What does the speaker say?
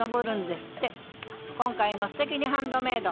今回の「すてきにハンドメイド」